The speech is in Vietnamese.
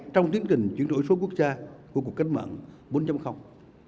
trong tiến trình chuyển đổi số quốc gia của cuộc cách mạng bốn